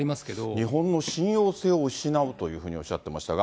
日本の信用性を失うというふうにおっしゃってましたが。